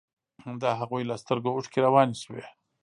د هغوى له سترګو اوښكې روانې سوې.